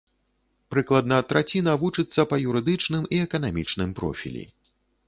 Прыкладна траціна вучыцца па юрыдычным і эканамічным профілі.